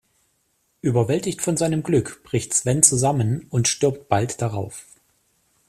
Überwältigt von seinem Glück, bricht Sven zusammen und stirbt bald darauf.